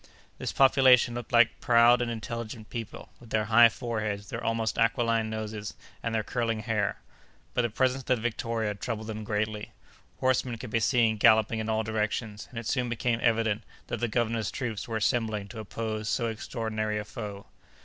This population looked like proud and intelligent people, with their high foreheads, their almost aquiline noses, and their curling hair; but the presence of the Victoria troubled them greatly. Horsemen could be seen galloping in all directions, and it soon became evident that the governor's troops were assembling to oppose so extraordinary a foe.